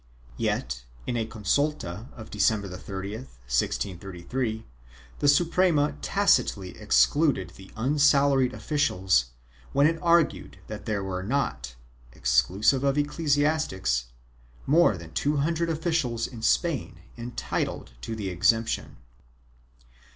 1 Yet, in a consulta of December 30, 1633, the Suprema tacitly excluded the unsalaried officials when it argued that there were not, exclusive of ecclesiastics, more than two hundred officials in Spain entitled to the exemption.